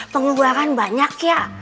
pengeluaran banyak ya